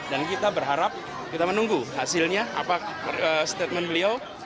dan kita berharap kita menunggu hasilnya apa statement beliau